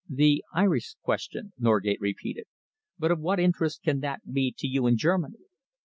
"The Irish question," Norgate repeated. "But of what interest can that be to you in Germany?"